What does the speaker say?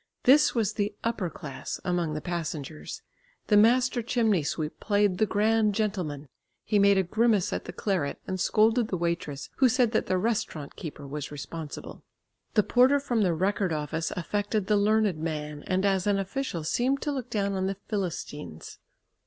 This was the "upper class" among the passengers. The master chimney sweep played the grand gentleman, he made a grimace at the claret and scolded the waitress who said that the restaurant keeper was responsible. The porter from the Record Office affected the learned man, and as an official seemed to look down on the "Philistines."